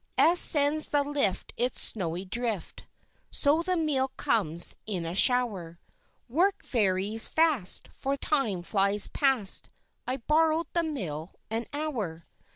As sends the lift its snowy drift, So the meal comes in a shower; Work, Fairies, fast, for time flies past I borrowed the mill an hour.